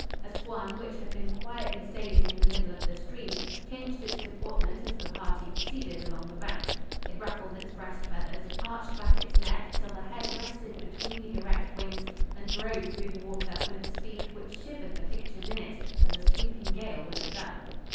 A swan, which had been quietly sailing in the middle of the stream, changed its deportment as the party proceeded along the bank. It ruffled its breast feathers, arched back its neck till the head rested between the erect wings, and drove through the water with a speed which shivered the pictures in it as a sweeping gale would have done.